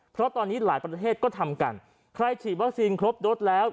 เพราะตอนนี้หลายประเทศก็ทำกันใครฉีดวัคซีนครบโดสแล้ว